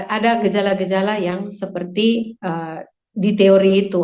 ada gejala gejala yang seperti di teori itu